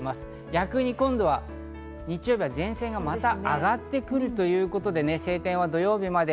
逆に今度は日曜日は前線がまた上がってくるということで晴天は土曜日まで。